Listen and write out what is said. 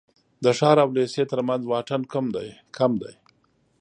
د ښار او لېسې تر منځ واټن کم دی.